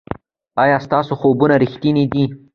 ایا ستاسو خوبونه ریښتیني دي؟